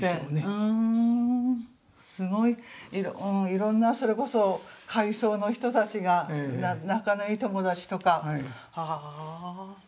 すごいいろんなそれこそ階層の人たちが仲のいい友達とか。